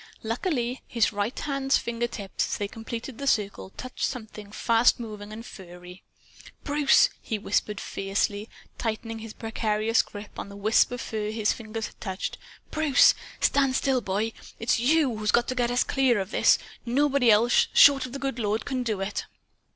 Luckily his right hand's fingertips, as they completed the circle, touched something fast moving and furry. "Bruce!" he whispered fiercely, tightening his precarious grip on the wisp of fur his fingers had touched. "Bruce! Stand still, boy! It's YOU who's got to get us clear of this! Nobody else, short of the good Lord, can do it!"